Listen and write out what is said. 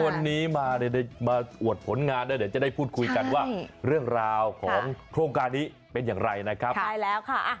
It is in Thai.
วันนี้มาอวดผลงานแล้วเดี๋ยวจะได้พูดคุยกันว่าเรื่องราวของโครงการนี้เป็นอย่างไรนะครับใช่แล้วค่ะ